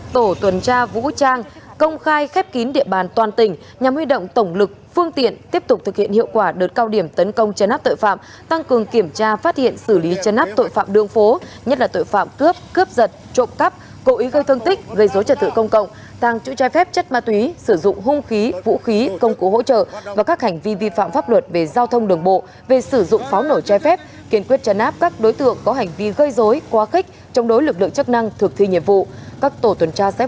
tổ tuần tra vũ trang công khai khép kín địa bàn toàn tỉnh nhằm huy động tổng lực phương tiện tiếp tục thực hiện hiệu quả đợt cao điểm tấn công chân áp tội phạm tăng cường kiểm tra phát hiện xử lý chân áp tội phạm đường phố nhất là tội phạm cướp cướp giật trộm cắp cố ý gây thương tích gây dối trật thự công cộng tăng trữ chai phép chất ma túy sử dụng hung khí vũ khí công cụ hỗ trợ và các hành vi vi phạm pháp luật về giao thông đường bộ về sử dụng pháo nổi chai phép